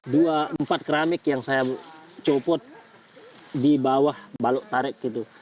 dua empat keramik yang saya copot di bawah baluk tarik gitu